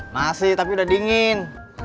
masih tapi udah dingin